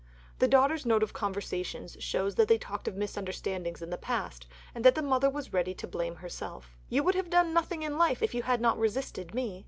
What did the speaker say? The daughter's note of conversations shows that they talked of misunderstandings in the past, and that the mother was ready to blame herself: "You would have done nothing in life, if you had not resisted me."